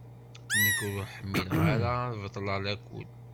Nekk ur ḥmileɣ ara ad beṭṭleɣ lakul.